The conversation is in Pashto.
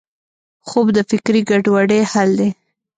خوب د فکري ګډوډۍ حل دی